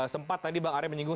sempat tadi bang arya menyinggung